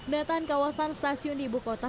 pendataan kawasan stasiun di ibu kota